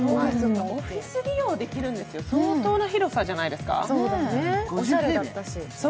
オフィス利用できるんですよ、相当な広さじゃないですか。